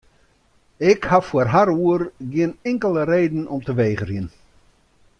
Ik ha foar har oer gjin inkelde reden om te wegerjen.